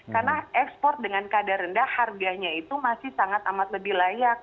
karena ekspor dengan kadar rendah harganya itu masih sangat amat lebih layak